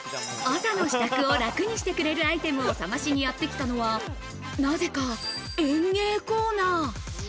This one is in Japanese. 朝の支度を楽にしてくれるアイテムを探しにやってきたのは、なぜか園芸コーナー。